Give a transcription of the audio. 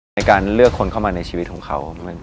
ในการเลือกคนเข้ามาในชีวิตของเขา